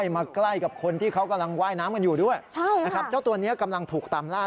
ดูสิคะยังมืดอยู่เจ้าหน้าที่ก็ต้องเอาไฟ